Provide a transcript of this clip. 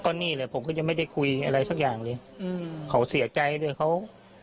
ตอนนี้เลยผมก็ยังไม่ได้คุยอะไรสักอย่างเลยขอเสียใจด้วยเขา